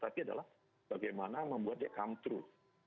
tapi adalah bagaimana membuat dia come truth